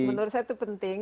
menurut saya itu penting